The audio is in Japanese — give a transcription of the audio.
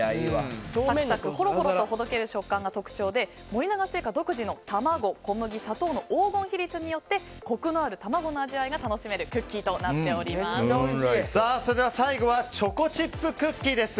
サクサクほどける食感が特徴で森永製菓独自の卵、小麦、砂糖の黄金比率によってコクのある卵の味わいが楽しめる最後はチョコチップクッキー。